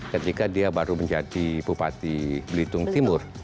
ketika dia baru menjadi bupati belitung timur